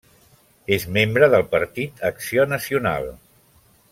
És membre del Partit Acció Nacional.